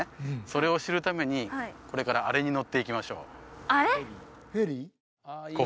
それを知るためにこれからあれに乗っていきましょうあれ？